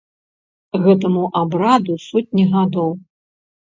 Гэтаму абраду сотні гадоў.